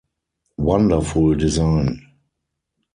Wonderful design.